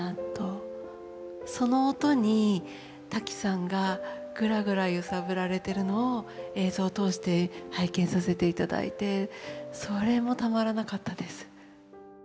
その音にタキさんがぐらぐら揺さぶられているのを映像を通して拝見させていただいてそれもたまらなかったです。